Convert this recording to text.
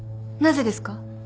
なぜですか？